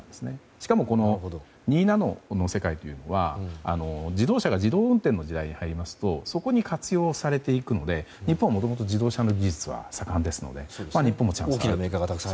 しかも、２ナノの世界というのは自動車が自動運転の時代に入りますとそこに活用されていくので日本はもともと自動車の技術は盛んですので日本もチャンスが。